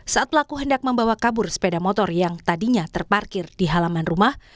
saat pelaku hendak membawa kabur sepeda motor yang tadinya terparkir di halaman rumah